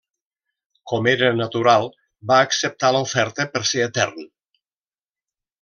Com era natural, va acceptar l'oferta per ser etern.